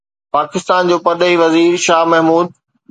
پاڪستان جو پرڏيهي وزير شاهه محمود